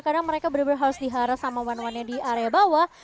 kadang mereka benar benar harus diharap sama wen wen nya di area bawah